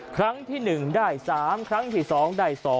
ครั้งที่๑ได้๓ครั้งที่๒ได้๒